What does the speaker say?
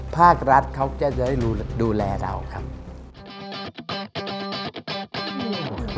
ภาครัฐเขาก็จะได้ดูแลเราครับ